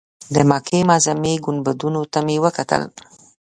د مکې معظمې ګنبدونو ته مې کتل.